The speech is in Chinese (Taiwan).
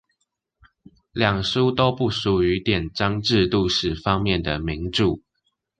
兩書都不屬於典章制度史方面的名著